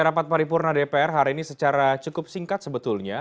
rapat paripurna dpr hari ini secara cukup singkat sebetulnya